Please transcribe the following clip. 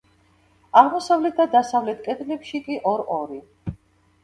აღმოსავლეთ და დასავლეთ კედლებში კი ორ-ორი.